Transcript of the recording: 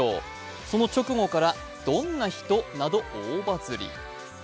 その直後からどんな人？など大バズり。